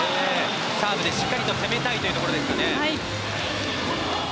サーブでしっかり攻めたいというところでしょうか。